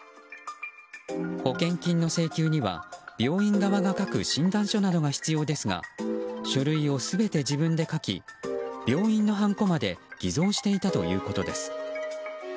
保険金の請求には病院側が書く診断書などが必要ですが書類を全て自分で書き病院のはんこまで偽造していたということです。